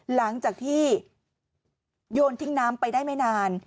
หลังจากที่โยนทิ้งน้ำไปได้ไม่นาน